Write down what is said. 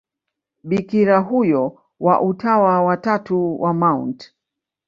Bikira huyo wa Utawa wa Tatu wa Mt.